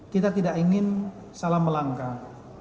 kita tidak ingin salah melangkah